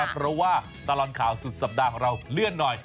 เพราะว่าตลอดข่าวสุดสัปดาห์ของเราเลื่อนหน่อย